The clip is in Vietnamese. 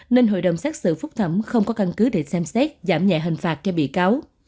nên hội đồng xét xử phúc thẩm không có căn cứ để xem xét giảm nhẹ hình phạt cho bị cáo